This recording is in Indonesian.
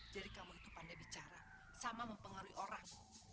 jadi kamu itu pandai bicara sama mempengaruhi orang